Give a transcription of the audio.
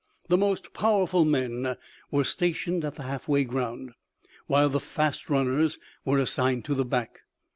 The most powerful men were stationed at the half way ground, while the fast runners were assigned to the back.